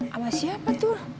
sama siapa tuh